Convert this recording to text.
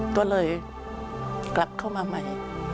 ก็เลยกลับเข้ามาใหม่